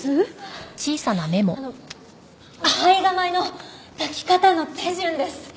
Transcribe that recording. あの胚芽米の炊き方の手順です。